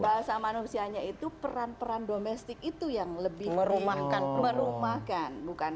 bahasa manusianya itu peran peran domestik itu yang lebih merumahkan